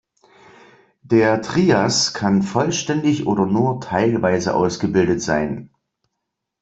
Der Trias kann vollständig oder nur teilweise ausgebildet sein.